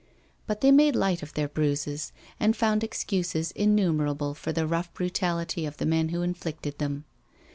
But they made light of their bruises and found excuses innumerable for the rough brutality of the men who inflicted them.